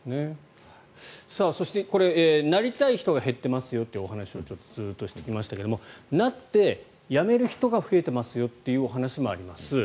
そして、なりたい人が減っていますよというお話をずっとしてきましたけどなって、辞める人が増えてますよというお話もあります。